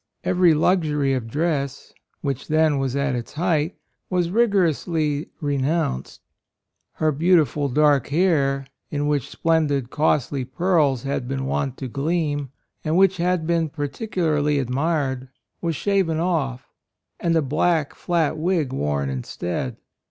Every luxury of dress, which then was at its height, was rigorously re nounced. Her beautiful dark AND MOTHER. 19 hair, in which splendid, costly pearls had been wont to gleam, and which had been particularly admired, was shaven oft", and a black flat wig worn instead.